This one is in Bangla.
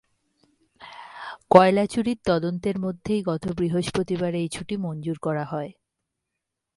কয়লা চুরির তদন্তের মধ্যেই গত বৃহস্পতিবার এই ছুটি মঞ্জুর করা হয়।